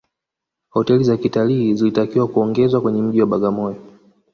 hoteli za kitalii zilitakiwa kuongezwa kwenye mji wa bagamoyo